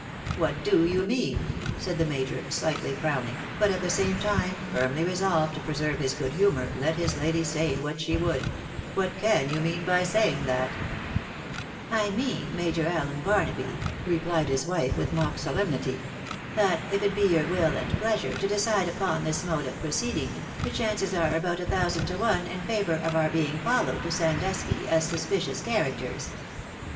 " What do you mean? " said the major, slightly frowning, but at the same time firmly resolved to preserve his good humour, let his lady say what she would ;" what can you mean by saying that ?" FOETUNATE FtONOMY. 311 " I mean, Major Allen Barnaby," replied his wife, with mock solemnity, " that, if it be your will and pleasure to decide upon this mode of proceeding, the chances are about a thousand to one in favour of our being followed to Sandusky as suspicious characters."